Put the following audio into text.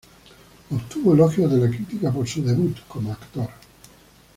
Obtuvo elogios de la crítica por su debut como actor.